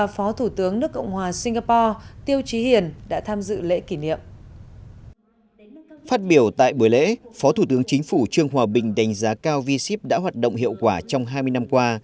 phó thủ tướng chính phủ trương hòa bình đánh giá cao v ship đã hoạt động hiệu quả trong hai mươi năm qua